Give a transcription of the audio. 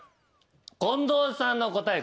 近藤さんの答え